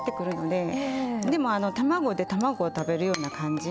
でもあの卵で卵を食べるような感じ。